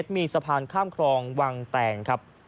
มีสะพานข้ามครองวังแตงครับ